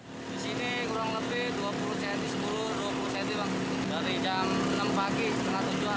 di sini kurang lebih dua puluh cm sepuluh dua puluh cm dari jam enam pagi setengah tujuh an